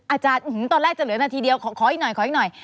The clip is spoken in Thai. อาจารย์ตอนแรกจะเหลือนาทีเดียวขออีกหน่อยขออีกหน่อย